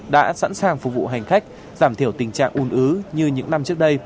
đã sẵn sàng phục vụ hành khách giảm thiểu tình trạng ùn ứ như những năm trước đây